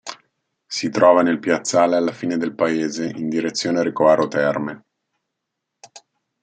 Si trova nel piazzale alla fine del paese in direzione Recoaro Terme.